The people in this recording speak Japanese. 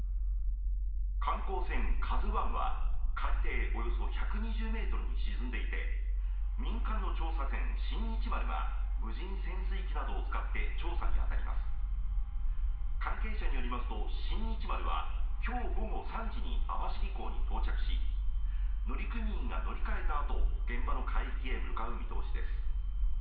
観光船「ＫＡＺＵ１」は海底およそ１２０メートルに沈んでいて民間の調査船「新日丸」は無人潜水機などを使って調査に当たります関係者によりますと「新日丸」はきょう午後３時に網走港に到着し乗組員が乗り換えたあと現場の海域へ向かう見通しです